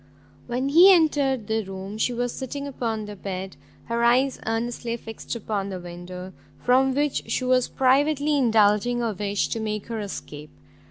When he entered the room, she was sitting upon the bed, her eyes earnestly fixed upon the window, from which she was privately indulging a wish to make her escape.